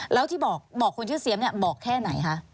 แล้วที่บอกคนชื่อเซียมบอกแค่ไหนคะ